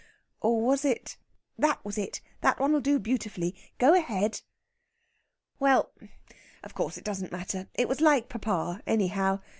Or was it...?" "That was it. That one'll do beautifully. Go ahead!" "Well of course it doesn't matter. It was like papa, anyhow....